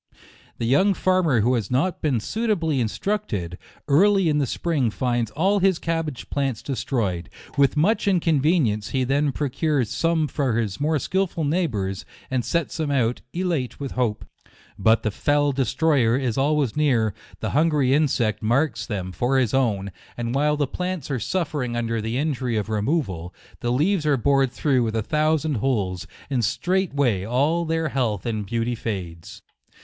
The young farmer who has not been suitably instructed, early in the spring finds all his cabbage plants destroyed ; with much inconvenience he then procures some from his more skilful neighbour, and sets them out, elate with hope ; but the fell de stroyer is always near ; the hungry insect JtJKE. 129 marks them for his own, and while the plants are suffering under the injury of removal, the leaves are bored through with a thousand holes, and straightway all their health and beauty fades.